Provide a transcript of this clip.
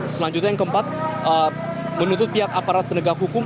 selanjutnya yang keempat menuntut pihak aparat penegak hukum